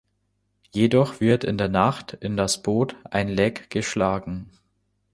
Jedoch wird in der Nacht in das Boot ein Leck geschlagen.